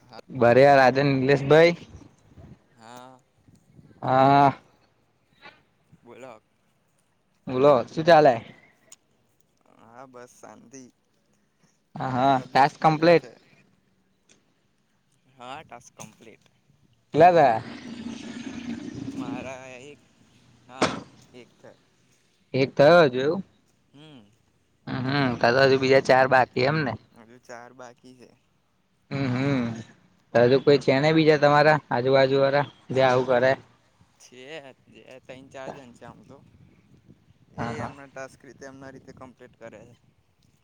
હા બરે રાજા નિલેશભાઈ હા હા બોલો બોલો શુંતે આલય હા બસ શાંતિ હા હા બસ ટાસ્ક બેઠા કમ્પ્લીટ છે હા ટસ્ક કમ્પ્લીટ કેટલા થયા મારા એક હા એક થ એક થયો જોયું હમ હમ હમ તો તો હજુ બીજા ચાર બાકી એમને હજુ ચાર બાકી હે હમ હમ હજુ કોઈ છે નહીં બીજા તમારા આજુબાજુ વારા જે આવું કરે છે જે તન ચાર જન છે આમ તો એ હા હા એમના ટાસ્ક રીતે એમના રીતે કમ્પ્લીટ કરે છે.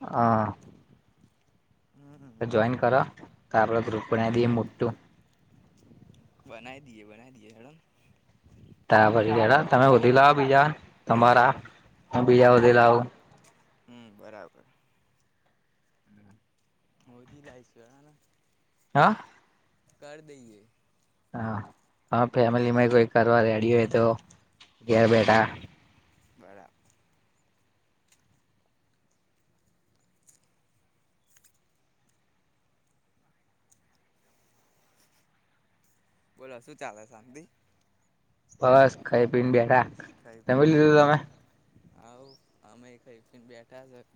અ હમ તો જોઈન કરો તાર ગ્રુપને બી મોટું બનાઈ દીએ બનાઈ દીએ હેડોને તારે પછી હેડો તમે હોધી લાવો બીજા તમારા હું બીજા હોધી લાવું. હમ બરાબર હોધી લાયશું હેડોને હા કર દઈએ હા હા હમ ફેમિલીમાં કોઈ કરવા રેડી હોય તો ઘેર બેઠા બરાબ બોલો શું ચાલે શાંતિ? બસ ખઈ પીને બેઠા જમી લીધું તમે? હાવ અમે ખઈ પીને બેઠા સ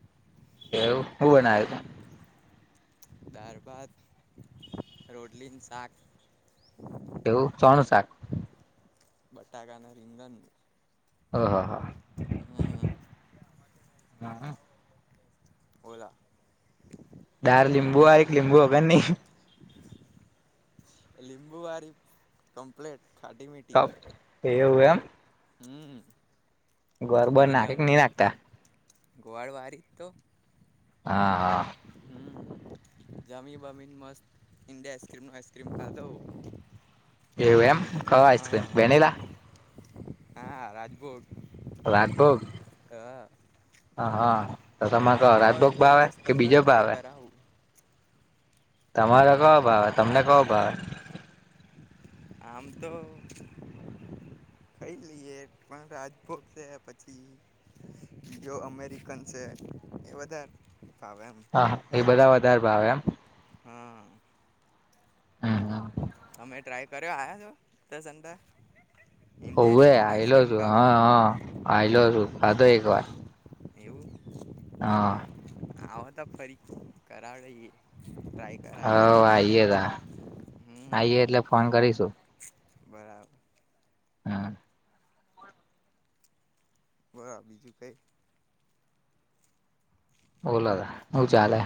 એવું હું બનાયુ તું? દારભાત, રોટલી ન શાક એવું સોનું શાક? બટાકાને રીંગન ઓહ હો, હો, હો, હમ ઓલા દાર લિંબુવાળી કે લીંબુ વગરની લીંબુવારી કમ્પલેટ ખાટી મીઠી કપ એવું એમ હમ ગોર બોર નાખે કે ની નાખતા? ગોર વારી તો હા હા હમ જમી બમીને મસ્ત ઇન્ડિયા આઈસ્ક્રીમ વાઈસ્ક્રીમ ખાધો. એવું એમ ક્યો આઈસ્ક્રીમ હા વેનિલા? હા રાજભોગ રાજભોગ હા હા હા તો તમે કો આવો રાજભોગ કોક ભાવે દિવસ કે તમને બીજો ટ્રાય ભાવે? કરાવું તમારો કયો ભાવે તમને કયો ભાવે? આમ તો ખઈ લઈએ પણ રાજભોગ સે પછી જે અમેરિકન છે એ વધાર હા હા એ બધા વધારે ભાવે એમ [inaudible] હહુ તમે ટ્રાય કર્યો આયા ઉતરસડા હોવે આયલો છું હ હ આયલો છું ખાધો એક વાર એવું હા. આવ તો ફરી કરાવડેએ હ આઈે ત હમ આઈય એટલે ફોન કરીશું. બરાબર. હા. બલો બીજું કઈ? બોલાા હવું ચાલે?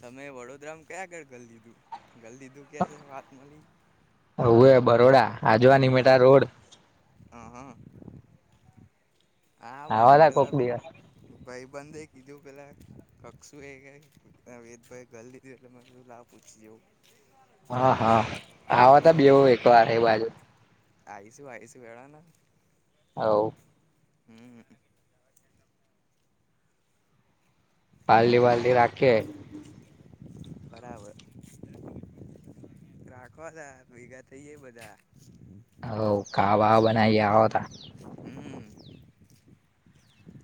તમે વડોદરામાં ક્યાં આગળ ગ દીધું ગલ દીધું કે છે વાત મળી. હું એ બરોડા આ જોવાનીમેટા રોડ હા હા. હા મને આવાતા કોક પેલા દિવસ ભાઈ બે કીધું પેલા કક્ષું એ વેદભાએ ધર લીધું એટલેું લા પૂછીવું હા હા હ તો બવું એક વાર એ બાજુ આયસું આયસ હેળેને આવ. હુમ. પાલડી વાલડી રાખીએ બરાબર. રાખવા તા ભેગા થઇ જાય બધા હવ ખાવા બનાવીએ આવતા હમ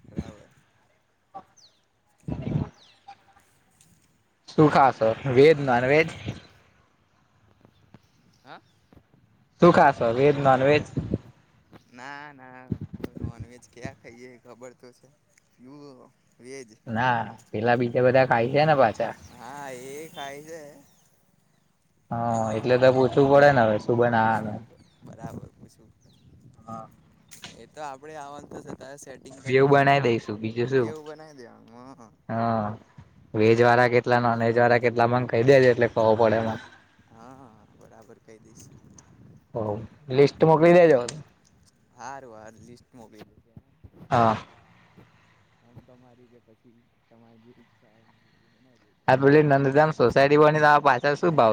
બરાબર. સુું ખાછો વેજ નોન વેજ? હા. સુખા સે છ વેજ નોન વજ? ના ના નોન વજ ક્યાં ખાઈએ ખબર તો છે. વેજ ના પેલા બીજા બધા ખાય છે ને પાસા હા એ ખાય છે. હા એટલે તો પૂછવું પડે ને હવે શું બાનાવાનુ. પૂછું બરાબર એ તો આપડે આવવાનું તો જ ત સેટિંગ બેવ કરીને બનાવી દઈશું બીજું શું બેવું બનાવી દેમાં હા વેજ વાળા કેટલા નોન વેજ વાળા કેટલા મ કહી દેજ એટલે કવું પડે એમાં હા બરાબર કહી દઈશ. હ લિસ્ટ મોકલી દેજો. હારું હારું લિસ્ટ મોકલી હા. આમ તમારી જે પછી તમારી જે ઈચ્છા આ પેલી નંદધામ સોસાયટી બની તો પાછળ શું ભાવ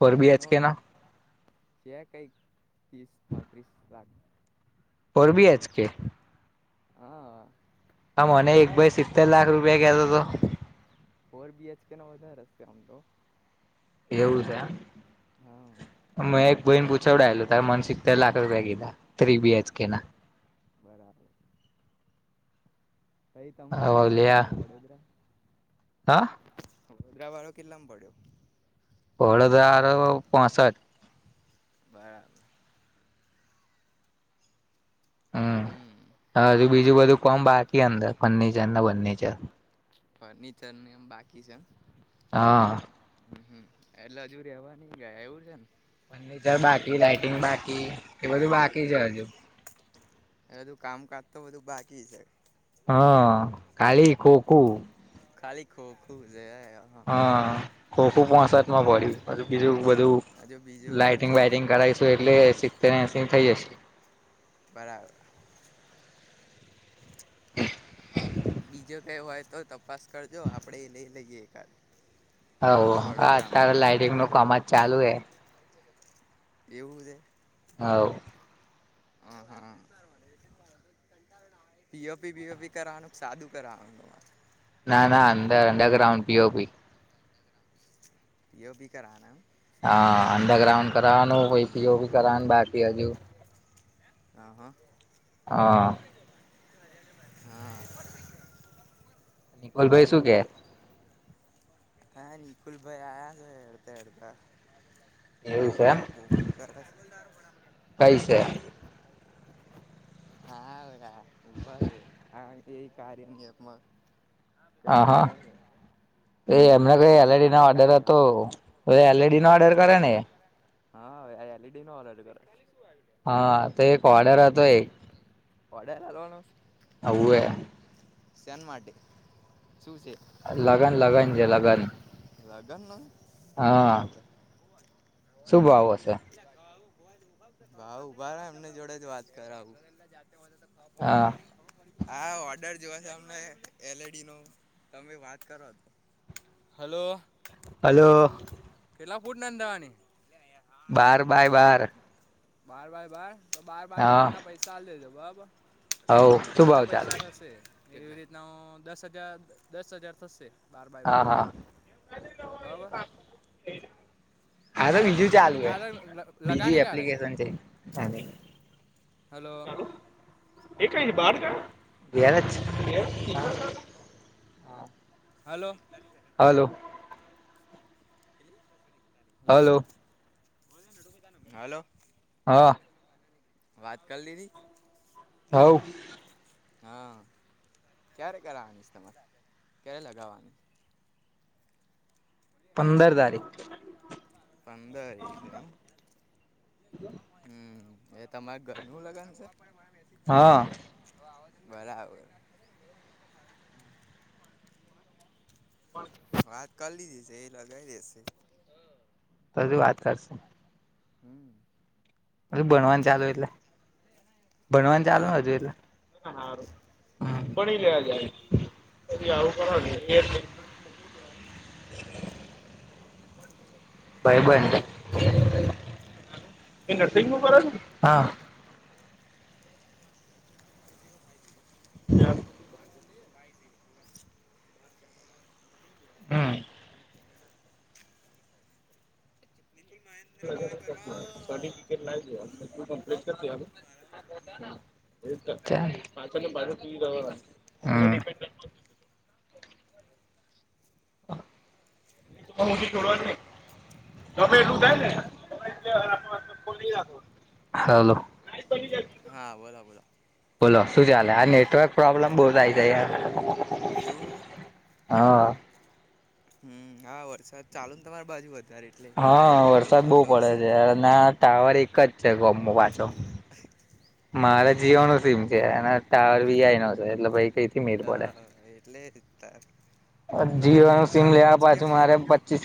[inaudible] ફર બી એચ કે ના? છે કઈક ત્રીસ પાંત્રીસ લાખ ફર બી એચ કે? હા. હા મને એક વધારે ભાઈ છે સિત્તેર લાખ રૂપિયા કેતો તો એચ કેનો વધારે છે તો એવુ છે હા એમ એમાં એક બેન પૂછ પૂછાવડાયલું ત્યારે મને સિત્તેર લાખ રૂપિયા કીધા થ્રી બી એચ કે ના. [inaudible] બરાબર અ એ તમારે કેટલા ઓલ્યા [unintelligible] પડે હા વડોદરા વાળો કેટલા માં પડ્યો? વડોદરા વાળો પાસઠ બરાબર. હમમ હમ હજુ બીજું બધું કોમ બાકી અંદર ફર્નિચર ને ફર્નચર. ફર્નિચર ને એમ બાકી છે. હા એટલે હજુ રેવા નઈ ગયા એવું છે. ફર્નિચર બાકી, લાાઈટિંગ બાકી એ બધું બાકી છે હજુ એ બધું કામકાજ તો બધું બાકી છે. હા ખાલી ખોખું ખાલી ખોખૂ છે હમમ. ખોખૂ પોસાઠ માં પડ્યું પછી બીજું બધું હજુ બીજો લાાઈટિંગ ખર્ચો વાઈટિંગ કરાયસુ એટલે સીતે સિત્તેર એંહસી થઈ જશે. બરાબર બીજો હોય તો તપાસ કરજો આપડે એ લઈ લઈએ એકાદ હોવ હા વડોદરામાં અત્યારે લાઈટિંગ નું કામ જ ચાલુ હે. એવું છે. હાવ હ હા પીઓપી બીઓપી કરાવાનું કે સાદું કરાવાનું ના ના અંદર અંનડર ગ્રાઉન્ડ પીયોપી પીઓપી કરાવવાના હા અડરગ્રાઉન્ડ કરાવાનુ પછી પીઓપી કરાવાનું બાકી હજુ. હા હા હા હા નિકોલભાઈ શું કે? હા નિકુલભાઈ આયા છે હેડતા હેડતા એવું છે એમ પોપટ પોપટ કર કઈ છે હા [inaudible] એ કાર્યનીમાં કઈક કરે છે. એમ એ કઈ જોડાયા છે એલડી નો ને ઓર્ડર હતો કાર્યમાં એલડી નો ઓર્ડર કરે ને એ હા એલઈડી નો ઓડર કરે. હા તો એક ઓર્ડર હતો એક ઓડર આલ્વાનો હઉવે શેન માટે શું છે? લગન લગન છે લગન લગન નો હા બરાબર શું ભાવ હશે ભાવ ઉભા એમની જોડે જ વાત કરાવું. હા. હા ઓર્ડર મને એલડી નો તમે વાત કરો તો હલો હલોો એલા ફૂટનનેંદાવાની બાર બાય બાર બાર ભાય બાર તો બાર ભાય બાર ના પૈસા ચાલ દેજો બરાબર હોવ શું આટલા ભાવ ચાલે પૈસા છે થશે એવી રીતના હ દસ હજાર દસ હજાર થશે બાર બાય બાર હા ના હા બરાબર હા તો કારે બુક બીજું કરા ચાલુ હ કારે બીજું લગાણી કારે એપ્લિકેશન છે હલો એ કઈ છે બાર ગયો? ઘરે અજ છે હાલો લે હલો હલો હા વાત કર લીધી હ હા ક્યારે કરવાની છે તમારે ક્યારે લગાવાની પંદર તારીખ પંદર એક એમ હમ એ તમારે ઘરનું લગન છે હા બરાબર બ વાત કરી લીધી છે એ લગાવ દેશે તોજું વાત કરશે હમ હજુ ભણવાન ચાલુ એટલે ભણવાન ચાલુ બરાબર હજુ એટલે હા હા ભણી લે જાય પછી આવું કરવા બ ભાઈ હા હ [inaudible] હમ સર્ટિફિકેટ લાઇ દેવાનું બધ્ધું કોમ્પલેટ કરી દેવાનું એ પાછ ને બાજ હા ત મુી છોડવા જ ન થને હલો હા બોલો બોલો બોલો શું ચાાલ આ નેટવર્ક પ્રોબ્લેમ બહુ જાય છે એવું છે હા હમ હા વરસાદ ચાલુ ને તમારી બાજુ વધારે એટલે હા પ્રોબ્લેમ વરસાદ બહુ થતો પડે હશે છેયાર ના ટાવર એક જ છે ગમો પાછો મારા જીઓ ન સીમ છે એ ટાવર વીઆઈ ન છે એટલે ભાઈ કઈથી મેર પડે એટલે મેં જીઓ નું કીધું સીમ અવાજ લેવા પાછુ કેમ નહી મારે આવતો પચીસ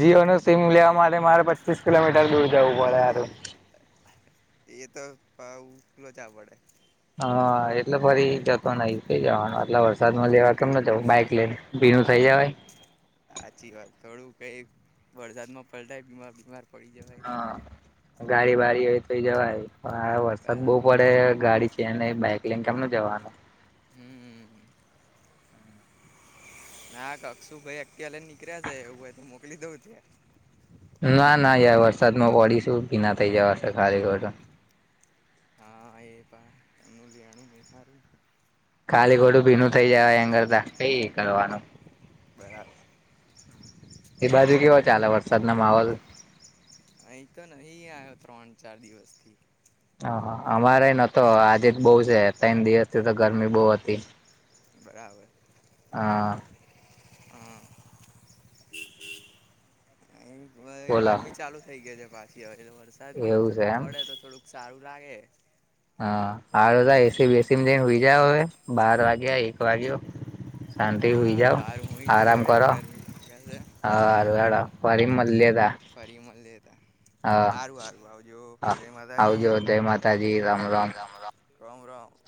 જીઓ ન લેવા માટે મારે પચીસ કિલોમીટર દૂર જવું પડે હારુ એ તો લોચા પડે હા એટલે ફરી જતો નઈ કઈ જવાનું આટલા વરસાદમાં લેવા કેમ ન જવું બાઈક લઈને ભીણું થઈ જે હોય હાચી વાત. થોડુંક એ વરસાદમાં પલટાય બીમાર બીમાર પડી જવાય. હા ગાડી બાડી હોય તો જવાય, આ વરસાદ બહુ બરાબર પડે ગાડી છે નહીં બાઈક પ્રિયંક કેમનું જવાનું? હમ ના ક અક્ષુભાઈ અત્યારે નીકળ્યા છે, એવું હોઈ તો મોકલી દઉં ત્યાં. ના ના યાર વરસાદમાં પડીશું ભીના થઇ જવાશે ખાલીખોટા હા એ પણ એમનું લેણું નહીં સારું ને ખાલી ખોટું ભીનું થઇ જવાય એન કરતાં નહીં કરવાનું. બરાબર એ બાજુ કેવો ચાલે વરસાદનો માહોલ? અહીં ક નહીં આયો ત્રણ ચાર દિવસથી. હહ અમારે એ નતો આજે તો બહુ છે તન દિવસથી તો ગરમી બહુ હતી. હા હહ એમ બોલો ગરમી ચાલુ થઈ ગઈ છે પાછી હવે તો વરસાદ એવું છે પડે તો થોડુંક સારું. લાગે હહ સારું જા એસી-બેસીમાં જ‌ઇને હુઈ જાવ હવે બાર વાગ્યા એક વાગ્યો. શાંતિથી હુઈ હા જાવ, સારું હું જ આરામ હવે કરો. ગરમી લાગે છે બરાબર હારું હેડો ફરી મલ મલીએ તા ફરી મલીએ. હા, હા જય માતાજી આવજો, જય માતાજી, રામ રામ. રોમ રોમ [inaudible]